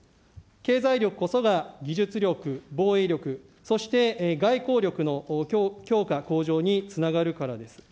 経済力こそが技術力、防衛力、そして外交力の強化向上につながるからです。